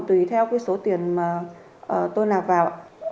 tùy theo số tiền mà tôi nạp vào